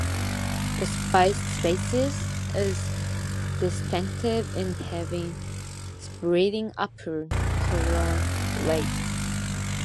The species is distinctive in having spreading upper corolla labes.